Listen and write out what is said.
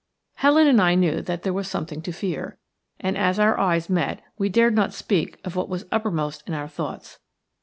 Helen and I knew that there was something to fear, and as our eyes met we dared not speak of what was uppermost in our thoughts.